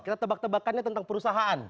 kita tebak tebakannya tentang perusahaan